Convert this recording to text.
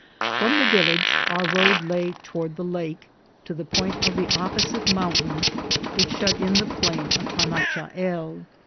From the village our road lay toward the lake, to the point of the opposite mountain, which shut in the plain of Panachahel.